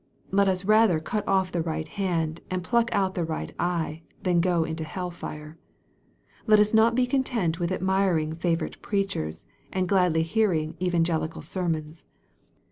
Let us rather cut off the right hand, and pluck out the right eye, than go into hell fire. Let us not be content with admiring favorite preachers, and gladly hearing evangelical sermons.